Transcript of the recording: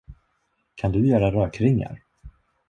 Kan du göra rökringar?